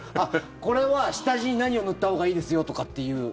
これは下地に何を塗ったほうがいいですよとかっていう。